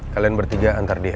kalian bertiga antar dia